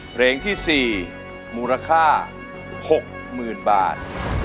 เพลงที่๔มูลค่า๖๐๐๐บาท